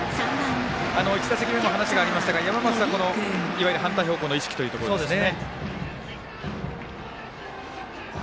１打席目も話がありましたが山増はいわゆる反対方向の意識というところですよね。